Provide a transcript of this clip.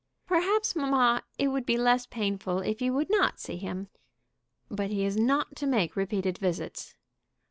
"Perhaps, mamma, it would be less painful if you would not see him." "But he is not to make repeated visits."